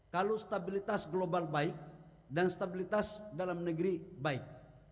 kalau stabilitas global baik dan stabilitas dalam negeri baik